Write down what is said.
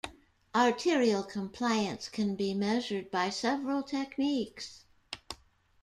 Arterial compliance can be measured by several techniques.